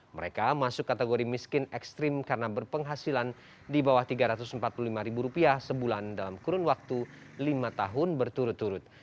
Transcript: mereka masuk kategori miskin ekstrim karena berpenghasilan di bawah rp tiga ratus empat puluh lima sebulan dalam kurun waktu lima tahun berturut turut